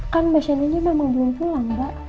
kan mbak sienna ini memang belum pulang mbak